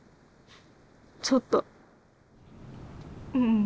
ちょっとうん。